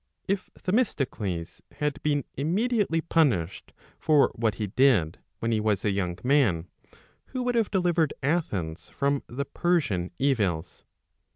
If Themistocles had been immediately punished for 'what he did when he was a young man, who would have delivered Athens from the Persian evils?